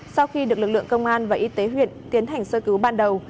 sau khi được lực lượng công an và y tế huyện tiến hành sơ cứu ban đầu